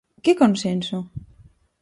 ¿Que consenso?